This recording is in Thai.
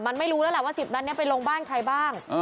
มันไม่รู้แล้วแหละว่า๑๐นั้นไปลงบ้านใครบ้าง